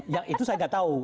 yang itu saya nggak tahu